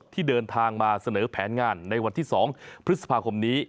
ที่เดินทางมาเสนอแผนงานในวันที่๒พฤษภาคมนี้